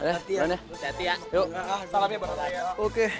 terima kasih kang spice